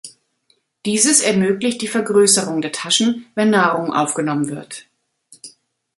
Dieses ermöglicht die Vergrößerung der Taschen, wenn Nahrung aufgenommen wird.